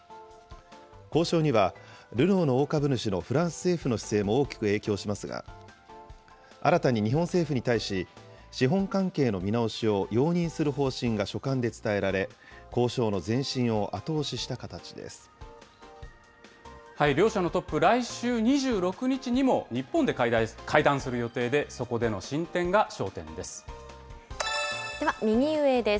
交渉には、ルノーの大株主のフランス政府の姿勢も大きく影響しますが、新たに日本政府に対し、資本関係の見直しを容認する方針が書簡で伝えられ、交渉の前進を両社のトップ、来週２６日にも日本で会談する予定で、そこでの進展が焦点です。